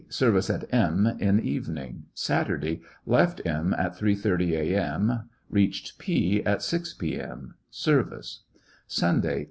Service at M in evening. Saturday. Left M at 3:30 a.m. Beached P at 6 p.m. Service. Sunday.